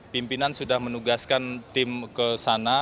pimpinan sudah menugaskan tim ke sana